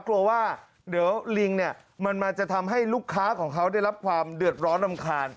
กลัวว่าเดี๋ยวลิงเนี่ยมันมาจะทำให้ลูกค้าของเขาได้รับความเดือดร้อนรำคาญ